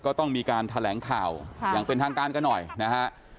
ก็ต้องมีการแถลงข่าวอย่างเป็นทางการกันหน่อยนะฮะ